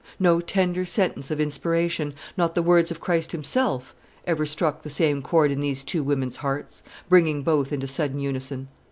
No tender sentence of inspiration, not the words of Christ himself, ever struck the same chord in these two women's hearts, bringing both into sudden unison.